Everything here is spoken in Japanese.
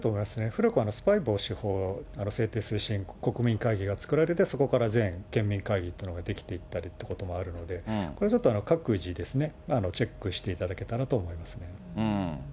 古くはスパイ防止法を制定する国民会議が作られて、そこから全県民会議が作られていったということもあるので、これちょっと、各自、チェックしていただけたらと思いますね。